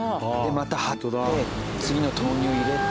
また張って次の豆乳入れて。